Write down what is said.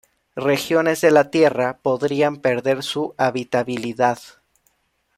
Regiones de la Tierra podrían perder su habitabilidad.